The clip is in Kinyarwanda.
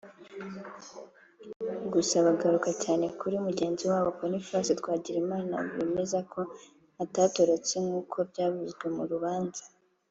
Gusa bagaruka cyane kuri mugenzi wabo Boniface Twagirimana bemeza ko atatorotse nk’uko byavuzwe mu rubanza